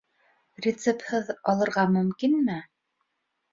Рецептһыҙ алырға мөмкинме?